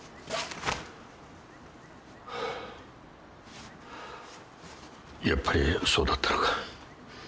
ハァやっぱりそうだったのか。